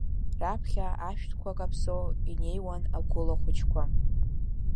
Раԥхьа ашәҭқәа каԥсо инеиуан агәыла хәыҷқәа.